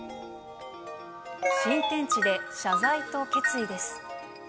新天地で謝罪と決意です。